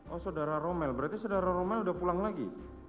oh saudara romel berarti saudara romel udah pulang lagi